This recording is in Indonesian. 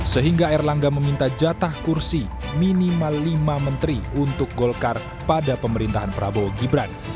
sehingga erlangga meminta jatah kursi minimal lima menteri untuk golkar pada pemerintahan prabowo gibran